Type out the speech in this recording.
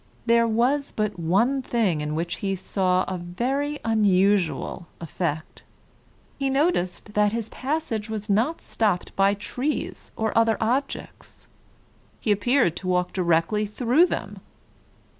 There was but one thing in which he saw a very unusual effect. He noticed that his passage was not stopped by trees or other objects. He appeared to walk directly through them.